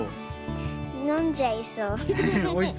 のんじゃいそう。